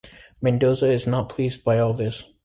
Mendoza is not pleased by all this.